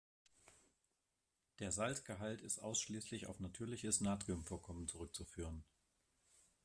Der Salzgehalt ist ausschließlich auf natürliches Natriumvorkommen zurückzuführen.